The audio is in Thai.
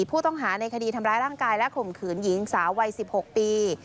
ผู้ต้องหาในคดีทำร้ายร่างกายและข่มขืนหญิงสาววัย๑๖ปี